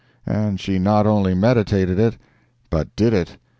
And she not only meditated it, but did it!